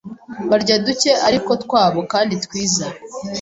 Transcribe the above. Barya duke ariko twabo kandi twiza